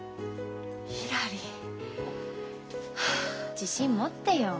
自信持ってよ。